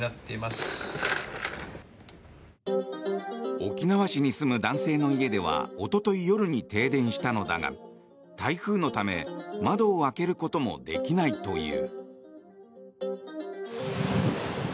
沖縄市に住む男性の家ではおととい夜に停電したのだが台風のため、窓を開けることもできないという。